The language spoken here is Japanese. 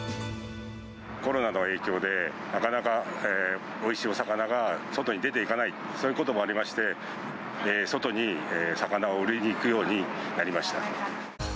コロナの影響で、なかなかおいしいお魚が外に出ていかない、そういうこともありまして、外に魚を売りに行くようになりました。